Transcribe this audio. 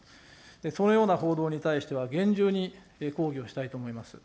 そのような報道に対しては、厳重に抗議をしたいと思います。